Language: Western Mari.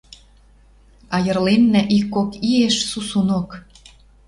Айырленӓ ик-кок иэш сусунок.